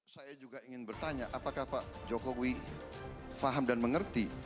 saya juga ingin bertanya apakah pak jokowi faham dan mengerti